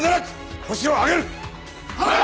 はい！